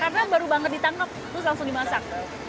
karena baru banget ditangkap terus langsung dimasak